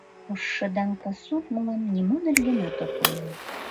Ошшыдаҥ пасу мылам нимо нергенат ок ойло.